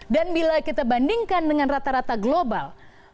dan bila kita bandingkan dengan rata rata global